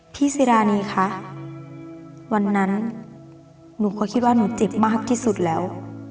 สิรานีคะวันนั้นหนูก็คิดว่าหนูเจ็บมากที่สุดแล้ว